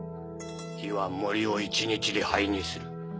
火は森を一日で灰にする。